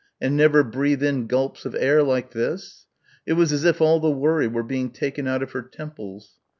and never breathe in gulps of air like this?... It was as if all the worry were being taken out of her temples.